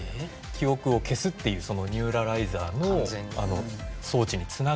記憶を消すっていうそのニューラライザーの装置に繋がるような。